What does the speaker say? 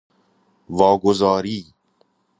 واگذاری